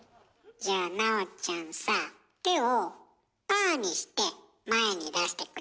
じゃあ奈緒ちゃんさ手をパーにして前に出してくれる？